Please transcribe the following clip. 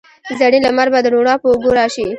زرین لمر به د روڼا په اوږو راشي